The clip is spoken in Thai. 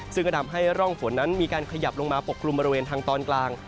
ซึ่งก็ทำให้ร่องฝนนั้นมีการขยับลงมาปกกลุ่มบริเวณทางตอนกลาง